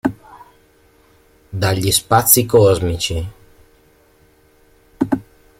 Dagli spazi cosmici.